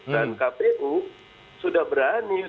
dan kpu sudah berani